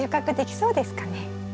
そうですね。